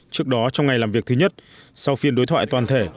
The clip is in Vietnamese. trước đó trong ngày làm việc thứ nhất sau phiên đối thoại toàn thể